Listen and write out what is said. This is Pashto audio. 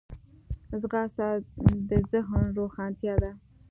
ځغاسته د ذهن روښانتیا ده